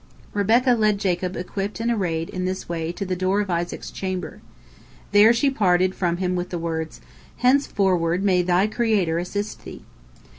Rebekah led Jacob equipped and arrayed in this way to the door of Isaac's chamber. There she parted from him with the words, "Henceforward may thy Creator assist thee."